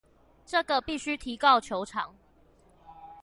這個必須提告求償